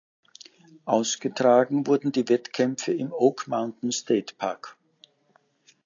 Ausgetragen wurden die Wettkämpfe im Oak Mountain State Park.